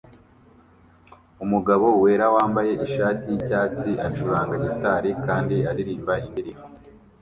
Umugabo wera wambaye ishati yicyatsi acuranga gitari kandi aririmba indirimbo